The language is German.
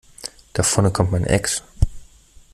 Da vorne kommt mein Ex.